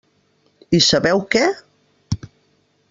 I sabeu què?